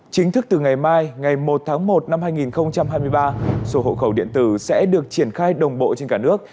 chính thức từ ngày mai ngày một tháng một năm hai nghìn hai mươi ba sổ hộ khẩu điện tử sẽ được triển khai đồng bộ trên cả nước